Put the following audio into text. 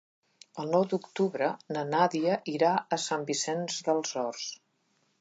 El nou d'octubre na Nàdia irà a Sant Vicenç dels Horts.